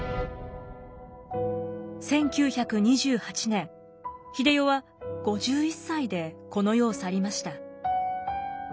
１９２８年英世は５１歳でこの世を去りました。